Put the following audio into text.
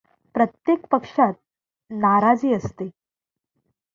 प्रत्येक पक्षात नाराजी असते.